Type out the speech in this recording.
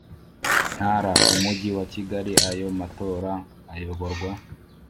Ntara umujyi wa kigali ayo matora ayoborwa